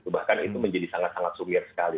bahkan itu menjadi sangat sangat sumir sekali